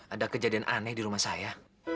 ada kejadian aneh di rumah saya